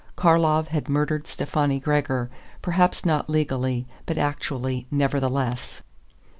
Karlov had murdered Stefani Gregor, perhaps not legally but actually nevertheless.